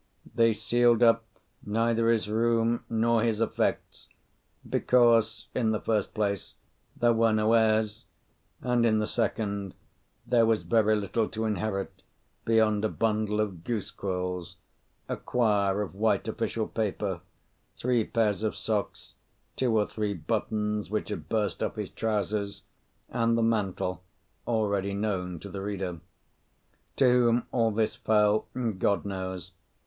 They sealed up neither his room nor his effects, because, in the first place, there were no heirs, and, in the second, there was very little to inherit beyond a bundle of goose quills, a quire of white official paper, three pairs of socks, two or three buttons which had burst off his trousers, and the mantle already known to the reader. To whom all this fell, God knows.